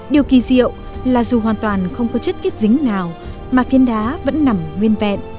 điều kỳ diệu là dù hoàn toàn không có chất kết dính nào mà phiền đá vẫn nằm nguyên vẹn